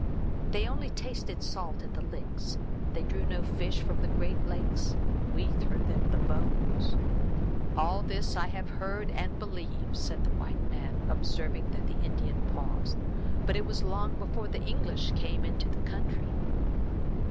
They only tasted salt at the licks; they drew no fish from the great lake; we threw them the bones." "All this I have heard and believe," said the white man, observing that the Indian paused; "but it was long before the English came into the country."